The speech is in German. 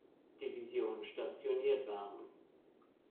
Division stationiert waren.